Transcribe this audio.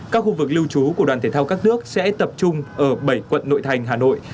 các khu vực lưu trú của đoàn thể thao các nước sẽ tập trung ở bảy quận nội thành hà nội